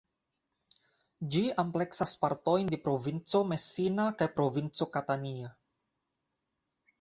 Ĝi ampleksas partojn de provinco Messina kaj provinco Catania.